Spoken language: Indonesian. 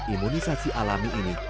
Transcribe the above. imunisasi alami ini